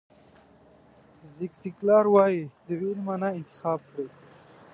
زیګ زیګلار وایي د وېرې معنا انتخاب کړئ.